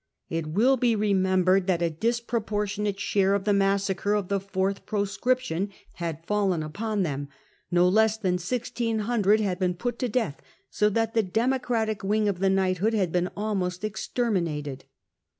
It will be remem bered that a disproportionate share of the massacre of the fourth proscription had fallen upon them — ^no less than 1600 had been put to death, so that the Demo cratic wing of the knighthood had been almost exter minated.